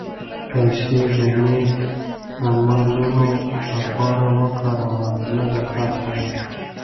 پېسې د نېک عملونو لپاره وکاروه، نه د فخر لپاره.